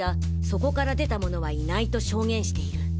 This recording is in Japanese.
そこから出た者はいないと証言している。